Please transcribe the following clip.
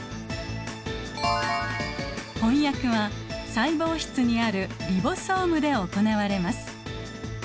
翻訳は細胞質にあるリボソームで行われます。